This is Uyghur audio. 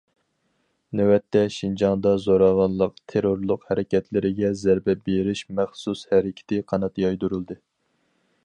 نۆۋەتتە، شىنجاڭدا زوراۋانلىق، تېررورلۇق ھەرىكەتلىرىگە زەربە بېرىش مەخسۇس ھەرىكىتى قانات يايدۇرۇلدى.